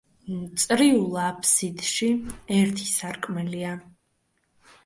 წრიულ აფსიდში ერთი სარკმელია.